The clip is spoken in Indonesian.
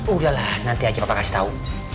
udah lah nanti aja papa kasih tau